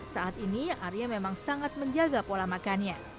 saat ini arya memang sangat menjaga pola makannya